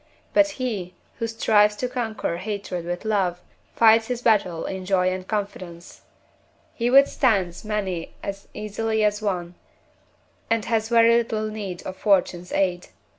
But he, who strives to conquer hatred with love, fights his battle in joy and confidence; he withstands many as easily as one, and has very little need of fortune's aid.